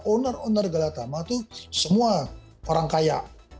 owner owner galatama itu semua orang kaya